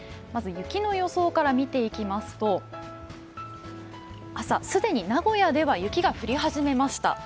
まず雪の予想から見ていきますと朝、既に名古屋では雪が降り始めました。